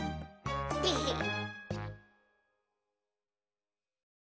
テヘッ。